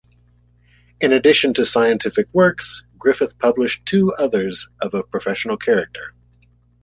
In addition to scientific works, Griffith published two others of a professional character.